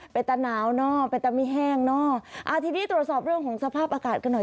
เป็นตาหนาวเนาะเป็นตาไม่แห้งเนาะทีนี้ตรวจสอบเรื่องของสภาพอากาศกันหน่อย